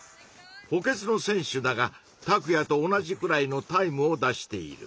補欠の選手だがタクヤと同じくらいのタイムを出している。